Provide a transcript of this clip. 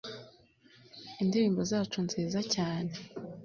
indirimbo zacu nziza cyane